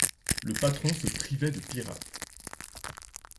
Le patron se privait de pirates.